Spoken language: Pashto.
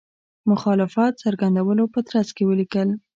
مخالفت څرګندولو په ترڅ کې ولیکل.